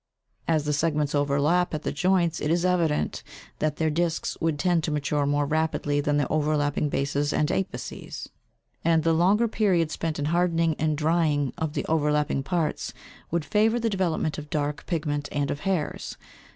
As the segments overlap at the joints it is evident that their discs would tend to mature more rapidly than the overlapping bases and apices, and the longer period spent in hardening and drying of the overlapping parts would favour the development of dark pigment and of hairs.